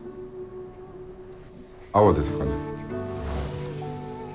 青ですかね。